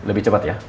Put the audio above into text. lebih cepat ya